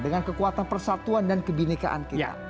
dengan kekuatan persatuan dan kebinekaan kita